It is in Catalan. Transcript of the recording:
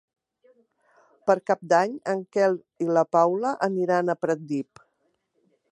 Per Cap d'Any en Quel i na Paula aniran a Pratdip.